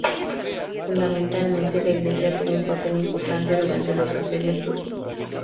Fundamentalmente, la iglesia tuvo un papel importante durante los asedios turcos.